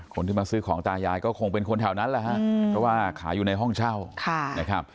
คนที่มาซื้อของตายายก็คงเป็นคนแถวนั้นแต่ว่าขายอยู่ในห้องเช่า